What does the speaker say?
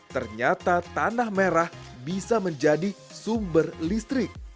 ternyata tanah merah bisa menjadi sumber listrik